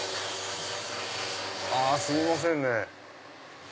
あすいませんね。